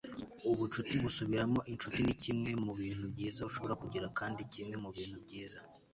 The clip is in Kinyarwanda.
ubucuti busubiramo inshuti nikimwe mubintu byiza ushobora kugira kandi kimwe mubintu byiza